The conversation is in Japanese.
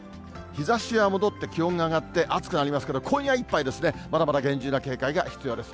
日ざしは戻って気温が上がって暑くなりますから、今夜いっぱいですね、まだまだ厳重な警戒が必要です。